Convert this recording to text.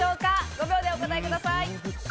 ５秒でお答えください。